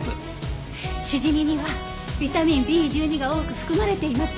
シジミにはビタミンＢ１２が多く含まれています。